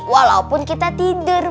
walaupun kita tidur